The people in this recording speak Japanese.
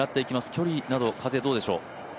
距離、風、どうでしょう。